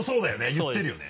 言ってるよね。